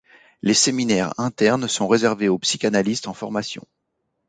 Les séminaires internes sont réservés aux psychanalystes en formation.